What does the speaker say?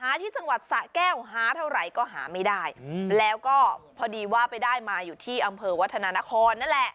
ที่จังหวัดสะแก้วหาเท่าไหร่ก็หาไม่ได้แล้วก็พอดีว่าไปได้มาอยู่ที่อำเภอวัฒนานครนั่นแหละ